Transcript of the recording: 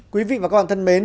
quý vị và các bạn thân mến